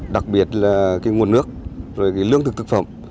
đặc biệt là cái nguồn nước rồi cái lương thực thực phẩm